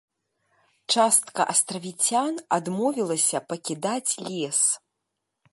Частка астравіцян адмовілася пакідаць лес.